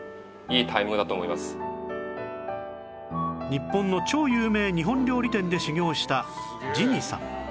日本の超有名日本料理店で修業したジニさん